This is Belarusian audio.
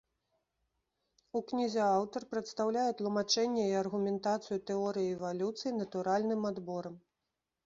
У кнізе аўтар прадстаўляе тлумачэнне і аргументацыю тэорыі эвалюцыі натуральным адборам.